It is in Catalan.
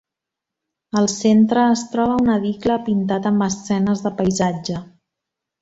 Al centre es troba un edicle pintat amb escenes de paisatge.